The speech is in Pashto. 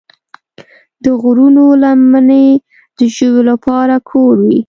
د غرونو لمنې د ژویو لپاره کور وي.